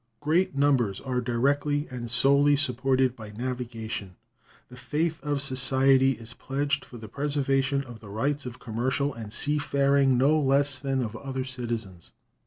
Great numbers are directly and solely supported by navigation. The faith of society is pledged for the preservation of the rights of commercial and sea faring no less than of the other citizens.